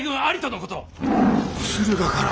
駿河から。